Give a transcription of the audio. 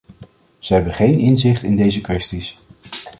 Ze hebben geen inzicht in deze kwesties.